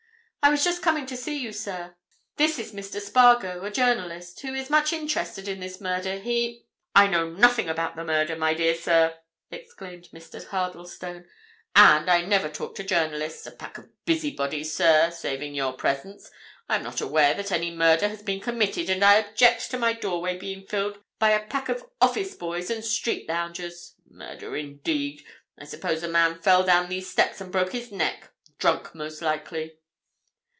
"I was just coming to see you, sir. This is Mr. Spargo, a journalist, who is much interested in this murder. He——" "I know nothing about the murder, my dear sir!" exclaimed Mr. Cardlestone. "And I never talk to journalists—a pack of busybodies, sir, saving your presence. I am not aware that any murder has been committed, and I object to my doorway being filled by a pack of office boys and street loungers. Murder indeed! I suppose the man fell down these steps and broke his neck—drunk, most likely."